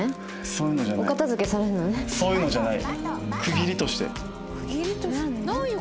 そういうのじゃない。